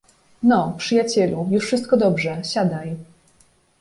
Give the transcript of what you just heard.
"No, przyjacielu, już wszystko dobrze, siadaj."